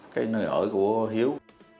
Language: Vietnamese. cái nơi ở của hiếu